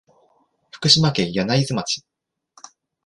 福島県柳津町